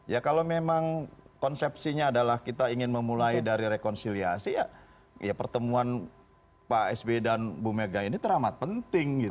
ya kalau memang konsepsinya adalah kita ingin memulai dari rekonsiliasi ya pertemuan pak sby dan bu mega ini teramat penting gitu